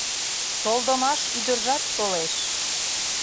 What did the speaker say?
Толдымаш ӱдыржат толеш.